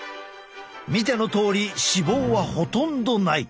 見てのとおり脂肪はほとんどない。